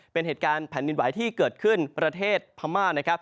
เป็นเหตุการณ์แผ่นดินไหวที่เกิดขึ้นประเทศพม่านะครับ